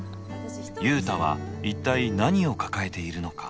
雄太は一体何を抱えているのか。